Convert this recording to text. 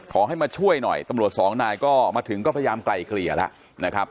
ขอให้มาช่วยหน่อยตำรวจสองนายก็มาถึงก็พยายามไกลเกลี่ยแล้วนะครับ